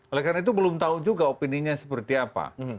oleh karena itu belum tahu juga opininya seperti apa